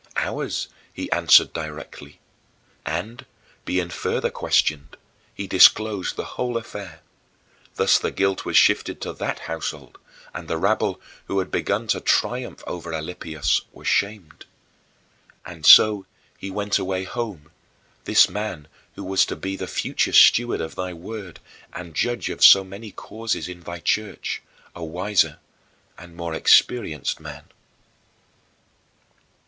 "Ours," he answered directly. And, being further questioned, he disclosed the whole affair. Thus the guilt was shifted to that household and the rabble, who had begun to triumph over Alypius, were shamed. And so he went away home, this man who was to be the future steward of thy Word and judge of so many causes in thy Church a wiser and more experienced man.